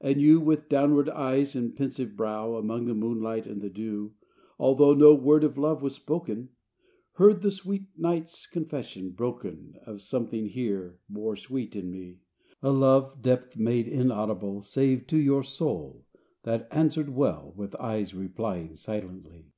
And you, With downward eyes and pensive brow, Among the moonlight and the dew, Although no word of love was spoken, Heard the sweet night's confession broken Of something here more sweet in me: A love, depth made inaudible, Save to your soul, that answered well, With eyes replying silently.